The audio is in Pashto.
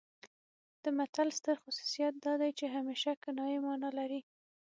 د متل ستر خصوصیت دا دی چې همیشه کنايي مانا لري